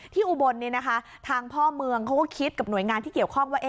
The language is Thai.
อุบลทางพ่อเมืองเขาก็คิดกับหน่วยงานที่เกี่ยวข้องว่า